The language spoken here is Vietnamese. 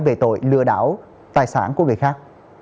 về tội lừa đảo tài sản của người khác